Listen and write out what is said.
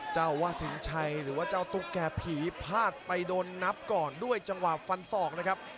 เจ้าว่าสินชัยหรือว่าเจ้าตุ๊กแก่ผีพาดไปโดนนับก่อนด้วยจังหวะฟันศอกนะครับ